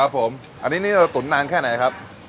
ผมอันนี้เราตุ๋นนานแค่ไหนครับ